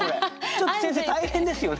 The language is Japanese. ちょっと先生大変ですよね？